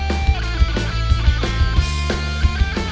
ya yaudah jadi keeper aja ya